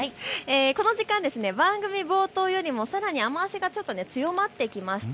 この時間、番組冒頭よりもさらに雨足が強まってきました。